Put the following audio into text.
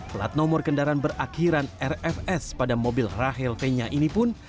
plat nomor kendaraan berakhiran rfs pada mobil rahel fenya ini pun